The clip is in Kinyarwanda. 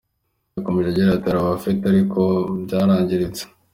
Yakomeje agira ati :"Hari ababifite ariko byarangiritse.